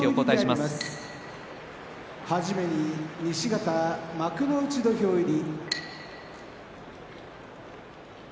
はじめに西方幕内土俵入り。